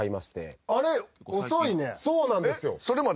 そうなんですよ。